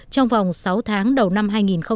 trong vòng sáu tháng đầu năm hai nghìn một mươi bảy